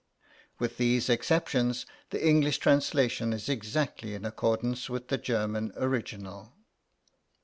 With these exceptions the English translation is exactly in accordance with the German original.